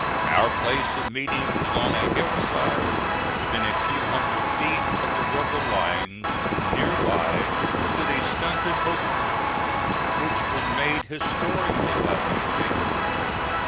Our place of meeting was on a hillside within a few hundred feet of the rebel lines. Near by stood a stunted oak tree, which was made historical by the event.